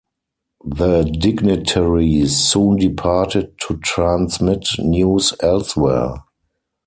The dignitaries soon departed to transmit news elsewhere.